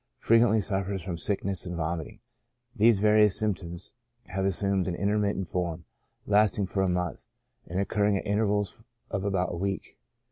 Frequently suffers from sickness and vomiting. These various symp toms have assumed an intermittent form, lasting for a month, and occurring at intervals of about a week.